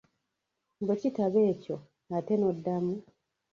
Bwe kitaba ekyo, ate n'oddamu.